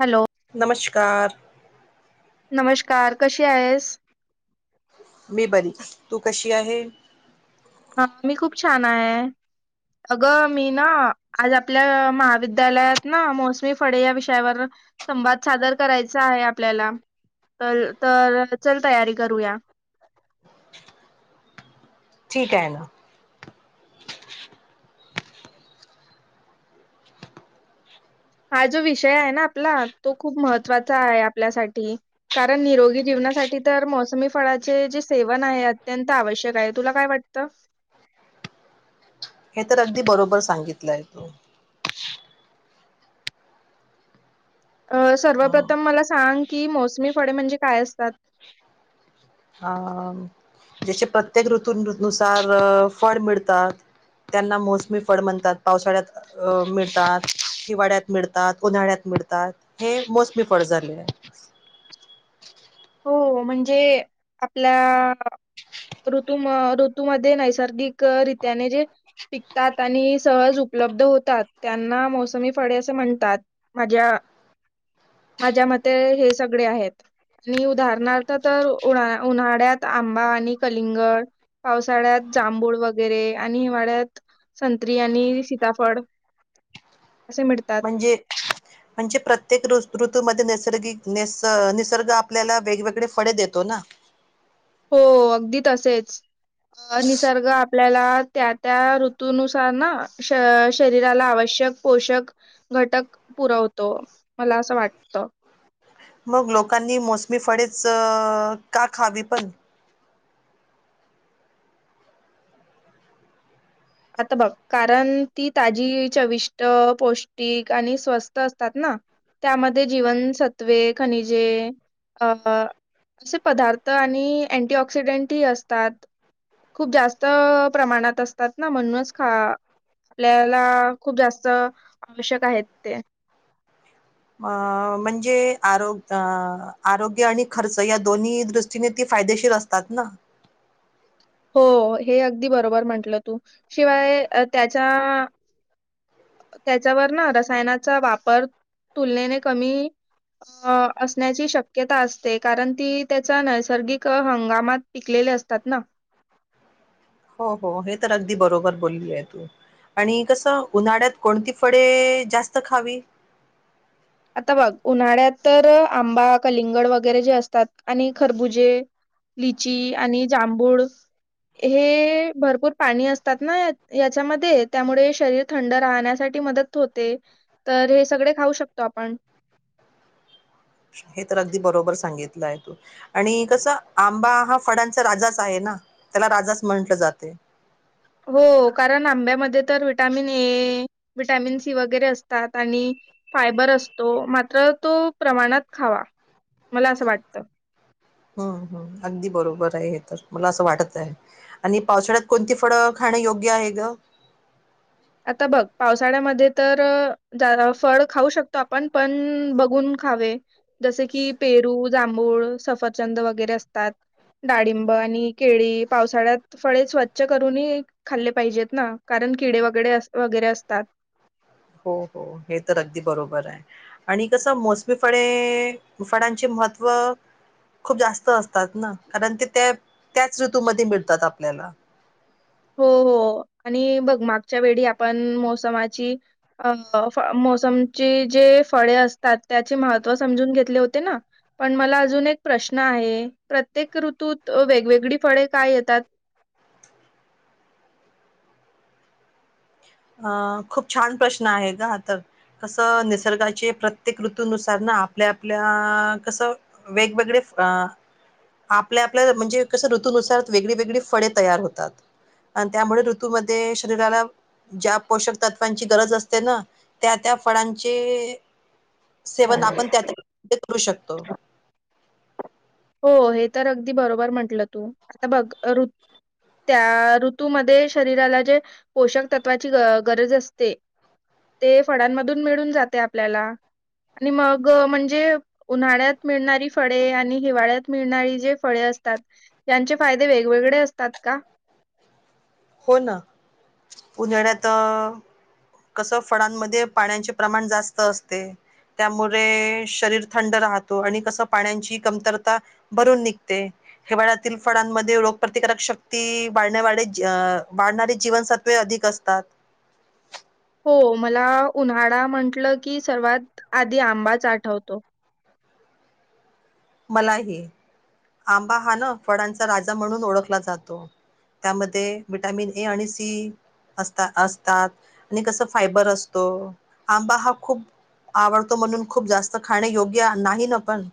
Hello! नमस्कार! नमस्कार कशी आहेस? मी बरी तू कशी आहे? हा मी खूप छान आहे. अगं मी ना आज आपल्या महाविद्यालयात ना मोसमी फळे या विषयावर संवाद सादर करायचा आहे आपल्याला. तर तर चल तयारी करूया? ठीक आहे ना. हा जो विषय आहे ना आपला तो खूप महत्त्वाचा आहे आपल्यासाठी कारण निरोगी जीवनासाठी तर मोसमी फळाचे जे सेवन आहे अत्यंत आवश्यक आहे. तुला काय वाटतं? हे तर अगदी बरोबर सांगितलं तू. अह सर्वप्रथम मला सांग की मोसमी फळे म्हणजे काय असतात? अह जसे प्रत्येक ऋतूनुसार फळ मिळतात. त्यांना मोसमी फळ म्हणतात. पावसाळ्यात अह मिळतात, हिवाड्यात मिळतात, उन्हाळ्यात मिळतात हे मोसमी फळ झाले आहे. हो म्हणजे आपल्या ऋतू म ऋतूमध्ये नैसर्गिक रित्याने जे पिकतात आणि सहज उपलब्ध होतात त्यांना मोसमी फळे असे म्हणतात. माझ्या माझ्या मते हे सगळे आहेत. आणि उदाहरणार्थ तर उन्हा उन्हाळ्यात आंबा आणि कलिंगड पावसाळ्यात जांभूळ वगैरे आणि हिवाळ्यात संत्री आणि सीताफळ असे मिळतात. जे म्हणजे प्रत्येक ऋ ऋतूमध्ये नैसर्गिक निस निसर्ग आपल्याला वेगवेगळे फळे देतो ना हो अगदी तसेच अह निसर्ग आपल्याला त्या त्या ऋतूनुसार ना श शरीराला आवश्यक पोषक घटक पुरवतो मला असं वाटतं. मग लोकांनी मोसमी फळेच का खावी पण आता बघ कारण ती, ताजी चविष्ट पौष्टिक आणि स्वस्त असतात ना त्यामध्ये जीवनसत्वे, खनिजे अं असे पदार्थ आणि अँटी ऑक्सिडेंट ही असतात. खूप जास्त प्रमाणात असतात. ना म्हणूनच खा. आपल्याला खूप जास्त आवश्यक आहेत ते अ म्हणजे आरोग आरोग्य आणि खर्च या दृष्टीने फायदेशीर असतात ना हो हे अगदी बरोबर म्हंटलं तू शिवाय त्याच्या त्याच्यावर ना रसायनाचा वापर तुलनेने कमी अ असण्याची शक्यता असते कारण ती त्याच्या नैसर्गिक हंगामात पिकलेले असतात ना हो हो हे तर अगदी बरोबर बोली आहे. तू आणि कसं उन्हाळ्यात कोणती फळे जास्त खावी? आता बघ उन्हाळ्यात तर आंबा, कलिंगड वगैरे जे असतात आणि खरबुजे. लीची आणि जांभूळ. हे भरपूर पाणी असतात ना याच्यामध्ये त्यामुळे शरीर थंड राहण्यासाठी मदत. होते हे तर सगळे खाऊ शकतो आपण. हे तर अगदी बरोबर सांगितलंय तू. आणि कसं आंबा हा फडांचा राजाच आहे ना त्याला राजाच म्हंटलं जाते. हो कारण आंब्यामध्ये तर विटॅमिन ए विटॅमिन सी वगैरे असतात आणि. फायबर असतो मात्र तो प्रमाणात. खावा मला असं वाटतं. हम्म हम्म अगदी बरोबर आहे हे तर मला असं वाटत आहे. आणि पावसाळ्यात कोणती फळं खाणं योग्य आहे ग? आता बघ पावसाळ्यामध्ये तर फळ खाऊ शकतो आपण पण बघून. खावे जसे की पेरू, जांभूळ, सफरचंद वगैरे असतात. डाळिंब आणि केळी पावसाळ्यात फळे स्वच्छ करूनही. खाल्ले पाहिजेत ना कारण किडे वगैरे, वगैरे असतात. हो. हो. हे तर अगदी बरोबर आहे. आणि कसं मोसमी फळे फळांचे महत्त्व. खूप जास्त असतात ना कारण ते त्या त्याच ऋतूमध्ये मिळतात आपल्याला. हो. हो आणि बगमागच्या वेळी आपण मोसमाची. अ मोसमची जे फळे असतात त्याचे महत्व समजून घेतले होते ना. पण मला अजून एक प्रश्न आहे प्रत्येक ऋतूत वेगवेगळी फळे का येतात? अ खूप छान आहे हा तर. कसं निसर्गाचे प्रत्येक ऋतनुसार ना आपल्या आपल्या कसं. वेगवेगळे आपल्या आपल्या म्हणजे कसं ऋतनुसार. वेगळी वेगळी फळे तयार होतात आणि त्यामुळे ऋतूमध्ये शरीराला. ज्या पोषक तत्वांची गरज असते ना त्या त्या फळांचे. सेवन आपण त्या करू शकतो. हो हे तर अगदी बरोबर म्हंटलं तू आता बघ. त्या ऋतूमध्ये शरीराला जे पोषक तत्वाची गरज असते. ते फळांमधून मिळून जाते आपल्याला. आणि मग म्हणजे उन्हाळ्यात मिळणारी फळे आणि. हिवाळ्यात मिळणारी जे फळे असतात त्यांचे फायदे वेगवेगळे असतात का? हो ना उन्हाळ्यात अ कस फळांमध्ये पाण्याचे प्रमाण जास्त असते. त्यामुळे शरीर थंड राहतो आणि कसं पाण्याची कमतरता भरून निघते हिवाळ्यातील फळांमध्ये रोगप्रतिकारक शक्ती वाढण्या वाढ जी अ वाढणारी जीवनसत्वे अधिक असतात. हो मला उन्हाळा म्हटलं की सर्वात आधी आंबाच आठवतो. मलाही आंबा हा न फळांचा राजा म्हणून ओळखला जातो. त्यामध्ये विटॅमिन ए आणि सी असता असतात आणि कसं फायबर असतो आंबा हा खूप आवडतो म्हणून खूप जास्त खाणे योग्य नाही ना पण.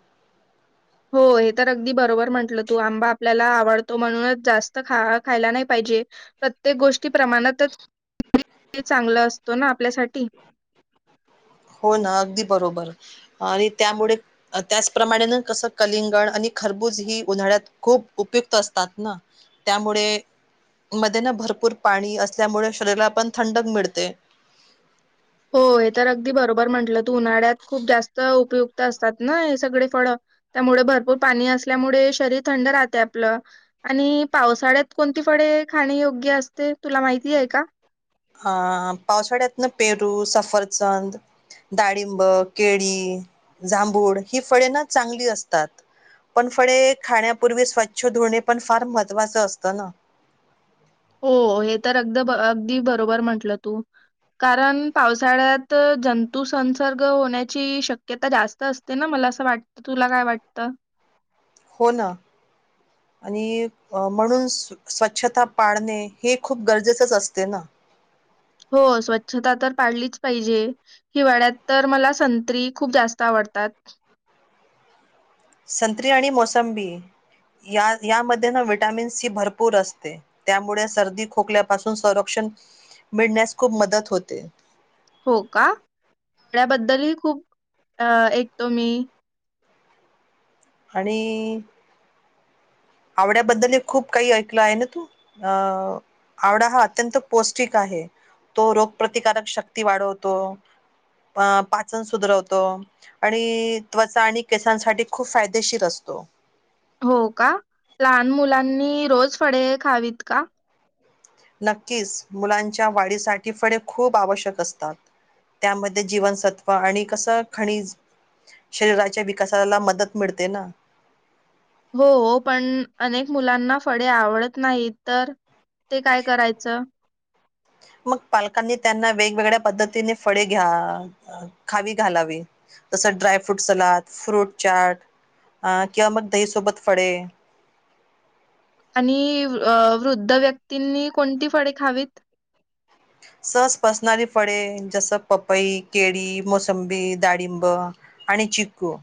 हो हे तर अगदी बरोबर म्हणटलं तू आंबा आपल्याला आवडतो म्हणूनच जास्त ख खायला नाही पाहिजे. प्रत्येक गोष्टी प्रमाणातच चांगला असतो ना आपल्यासाठी. हो ना अगदी बरोबर आणि त्यामुळे त्याचप्रमाणे कसं कलिंगण आणि खरबूज ही उन्हाळ्यात खूप उपयुक्त असतात ना. त्यामुळे मध्ये ना भरपूर पाणी असल्यामुळे शरीराला पण थंडक मिळते. हो हे तर अगदी बरोबर म्हंटलं तू उन्हाळ्यात खूप जास्त उपयुक्त असतात ना हे सगळे फळ. त्यामुळे भरपूर पाणी असल्यामुळे शरीर थंड राहतय आपलं. आणि पावसाळ्यात कोणती फडे खाणे योग्य असते तुला माहिती आहे का? अ पावसाळ्यातून पेरू, सफरचंद डाळिंब, केळी, जांभूळ ही फळे ना चांगली असतात. पण फळे खाण्यापूर्वी स्वच्छ धुणे पण फार महत्त्वाचं असतं ना. हो हे तर अगद अगदी बरोबर म्हंटलं तू. कारण पावसाळ्यात जंतुसंसर्ग होण्याची शक्यता जास्त असते. ते ना मला असं वाटत तुला काय वाटतं? हो ना आणि म्हणून सु स्वच्छता पाळणे हे खूप गरजेचंच असते ना. हो स्वच्छता तर पाडलीच पाहिजे. हिवाळ्यात तर मला संत्री खूप जास्त आवडतात. संत्री आणि मोसंबी या यामध्ये ना विटॅमिन सी भरपूर असते. त्यामुळे सर्दी खोकल्यापासून संरक्षण मिळण्यास खूप मदत होते. हो का याबद्दलही खूप अ ऐकतो मी. आणि आवड्याबद्दल ही खूप काही ऐकलं आहे ना तू अ आवडा हा अत्यंत पौष्टिक आहे तो रोगप्रतिकारक शक्ती वाढवतो. अ पाचन सुधरवतो. आणि त्वचा आणि केसांसाठी खूप फायदेशीर असतो. हो का लहान मुलांनी रोज फडे खावीत का? नक्कीच मुलांच्या वाढीसाठी फळे खूप आवश्यक असतात. त्यामध्ये जीवनसत्त्व आणि कसं खनिज शरीराच्या विकासाला मदत मिळते ना. हो पण अनेक मुलांना फळे आवडत नाही तर ते काय करायचं? मग पालकांनी त्यांना वेगवेगळ्या पद्धतीने फळे घ्या खावी घालावी तसं dry fruit salad, fruit chaat किंवा मग दहीसोबत फडे आणि वृद्ध व्यक्तींनी कोणती फडे खावीत? सहज पचसणारी फडे, जसं पपई, केळी, मोसंबी, दाडिंब आणि चिक्कू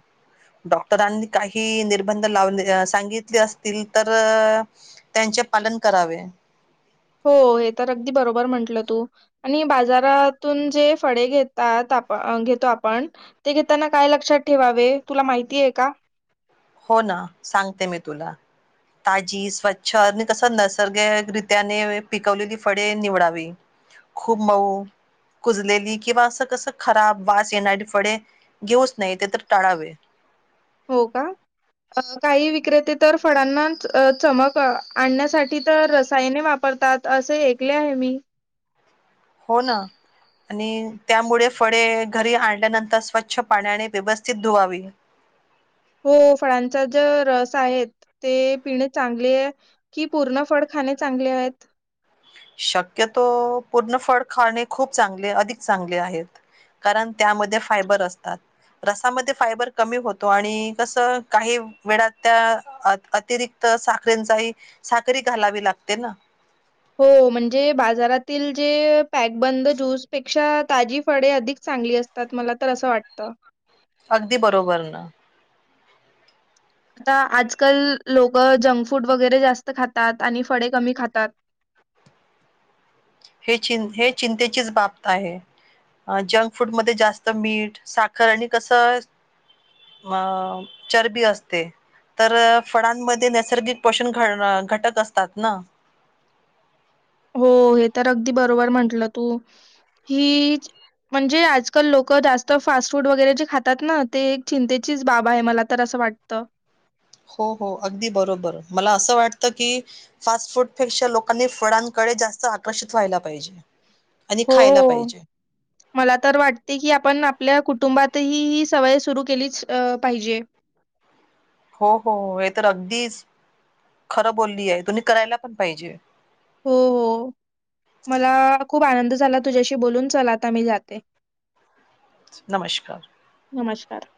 डॉक्टरांनी काही निर्बंध लावले, सांगितले असतील तर्र त्यांचे पालन करावे. हो हे तर अगदी बरोबर म्हंटलं तू. आणि बाजारातून जे फडे घेतात आप घेतो आपण ते घेताना काय लक्षात ठेवावे तुला माहितीय का? हो ना, सांगते मी तुला. ताजी, स्वच्छ, आणि तसं नसर्गिक रित्याने पिकवलेली फडे निवडावी. खूप मऊ कुजलेली किंवा असं कसं खराब, वास येणारी फडे घेऊच नये तेतर टाळावे. हो का? अ, काही विक्रेते तर फडांना चमक आणण्यासाठी तर सायने वापरतात. तसे ऐकले आहे मी. हो ना आणि त्यामुळे फडे घरी आणल्यानंतर स्वच्छ पाण्याने व्यवस्थित धुवावी. हो, फळांचा ज रस आहेत ते पिणे चांगले आए? की पूर्ण फड खाणे चांगले आहेत? शक्यतो पूर्ण फड खाणे खूप चांगले, अधिक चांगले आहेत. कारण त्यामध्ये फायबर असतात. रसामध्ये फायबर कमी होतो, आणि कसं काही वेडात त्या अ अतिरिक्त साखरेंचाही साखरहि घालावी लागते ना? हो, म्हणजे बाजारातील जे पॅकबंद ज्यूसपेक्षा ताजी फळे अधिक चांगली अस त्यात मला तर असं वाटतं अगदी बरोबर ना. आता आजकाल लोकं जंक फूड वगेरे जास्त खातात, आणि फडे कमी खातात. हे चिन हे चिंतेचीच बाब्त आहे. अं जंक फूड मध्ये जास्त मीठ साखर हे कसंच मं चरबी असते तर फडांमध्ये नैसर्गिक पषुण घणं घटक असतात ना? हो हे तर अगदी बरोबर म्हंटलं तू. हिच म्हणजे आजकाल लोकं जास्त फास्ट फूड वगरे जे खातात ना ते एक चिंतेचीच बाब आहे मला तर असं वाटतं हो हो अगदी बरोबर, मला असं वाटतं की फास्ट फूडपेक्षा लोकांनी फडांकडे जास्त आकर्षित व्हायला पाहिजे. आणि हो खायला हो पाहिजे मला तर वाटतंय की आपण आपल्या कुटुंबातही, ही सवय सुरू केलीच पाहिजे. हो हो, हे तर अगदीच खरं बोललीय, तुम्ही करायला पण पाहिजे. हो हो मलाआ खूप आनंद झाला तुझ्याशी बोलून, चल आता मी जाते. नमष्कार. नमष्कार.